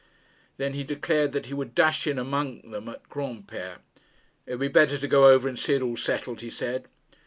Then he declared that he would dash in among them at Granpere. 'It will be better to go over and see it all settled,' he said.